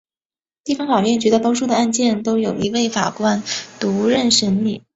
地方法院绝大多数的案件都由一位法官独任审理。